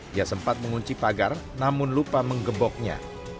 dia sempat mengunci pagar namun lupa menggemboknya